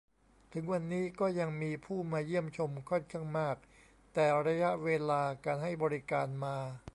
ถึงวันนี้ก็ยังมีผู้มาเยี่ยมชมค่อนข้างมาก แต่ระยะเวลาการให้บริการมา